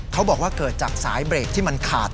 เขาบอกว่าเกิดจากสายเบรกขัด